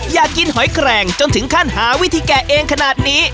อยากกินหอยแกร่งจนถึงขั้นหาวิธีแกะเองขนาดนี้